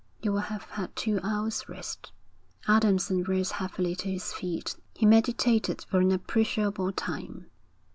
'You will have had two hours rest.' Adamson rose heavily to his feet. He meditated for an appreciable time.